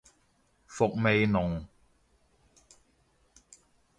伏味濃